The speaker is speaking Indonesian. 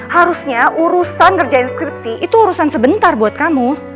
harusnya urusan ngerjain kripsi itu urusan sebentar buat kamu